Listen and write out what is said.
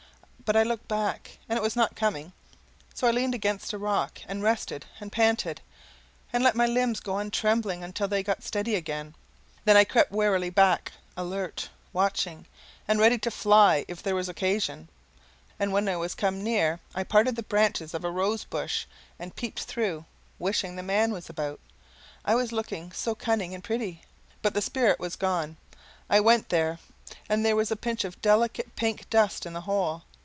But I looked back, and it was not coming; so I leaned against a rock and rested and panted, and let my limbs go on trembling until they got steady again; then I crept warily back, alert, watching, and ready to fly if there was occasion; and when I was come near, I parted the branches of a rose bush and peeped through wishing the man was about, I was looking so cunning and pretty but the sprite was gone. I went there, and there was a pinch of delicate pink dust in the hole.